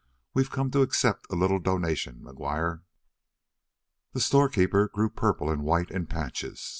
"We've come to accept a little donation, McGuire." The storekeeper grew purple and white in patches.